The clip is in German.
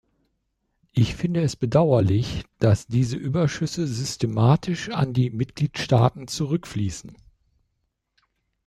Ich finde es bedauerlich, dass diese Überschüsse systematisch an die Mitgliedstaaten zurückfließen.